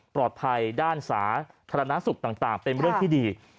ปลอดภัยด้านสาธนาสุขต่างเป็นเรื่องที่ดี